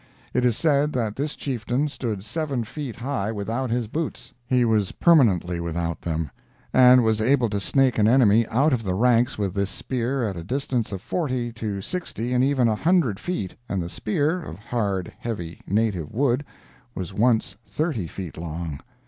It is said that this chieftain stood seven feet high without his boots (he was permanently without them), and was able to snake an enemy out of the ranks with this spear at a distance of forty to sixty and even a hundred feet and the spear, of hard, heavy, native wood, was once thirty feet long.